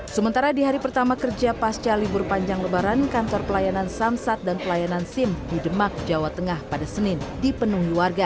sementara di hari pertama kerja pasca libur panjang lebaran kantor pelayanan samsat dan pelayanan sim di demak jawa tengah pada senin dipenuhi warga